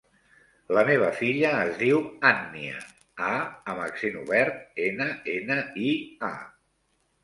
La meva filla es diu Ànnia: a amb accent obert, ena, ena, i, a.